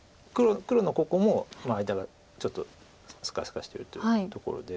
黒のここも間がちょっとスカスカしてるというところで。